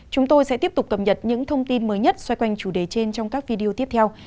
chúng tôi sẽ tiếp tục cập nhật những thông tin mới nhất xoay quanh chủ đề trên trong các video tiếp theo